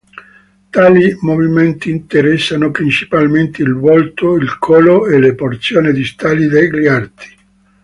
Tali movimenti interessano principalmente il volto, il collo e le porzioni distali degli arti.